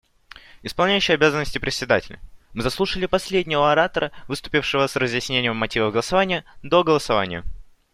Исполняющий обязанности Председателя: Мы заслушали последнего оратора, выступившего с разъяснением мотивов голосования до голосования.